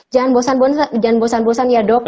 jangan bosan bosan ya dok ya